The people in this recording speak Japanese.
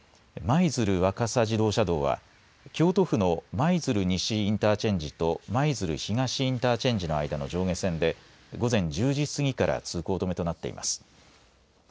舞鶴若狭自動車道は京都府の舞鶴西インターチェンジと舞鶴東インターチェンジの間の上下線で午前１０時過ぎから通行止めとなっています。